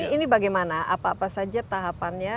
ini bagaimana apa apa saja tahapannya